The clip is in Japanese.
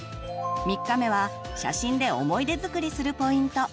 ３日目は写真で思い出づくりするポイント。